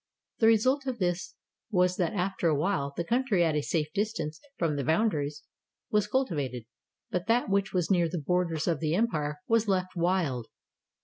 The result of this was that after a while the coun try at a safe distance from the boundaries was culti vated; but that which was near the borders of the em pire was left wild.